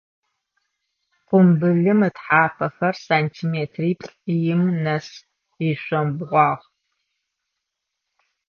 Къумбылым ытхьапэхэр сантиметриплӏ-им нэс ишъомбгъуагъ.